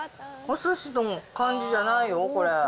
おすしの感じじゃないよ、これ。